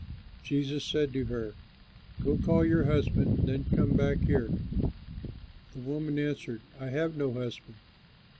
Jesus said to her, "Go, call your husband, then come back here." The woman answered, "I have no husband."